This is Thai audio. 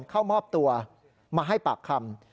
เข้ามอบตัวมาให้ปากคำ